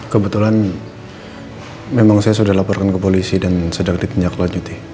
kebetulan memang saya sudah laporkan ke polisi dan sedang ditindaklanjuti